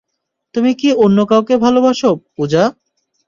তুমি কি অন্য কাউকে ভালোবাসো, পূজা?